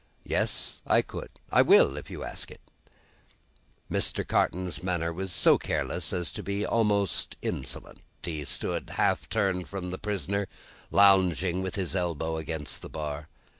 "Yes, I could. I will, if you ask it." Mr. Carton's manner was so careless as to be almost insolent. He stood, half turned from the prisoner, lounging with his elbow against the bar.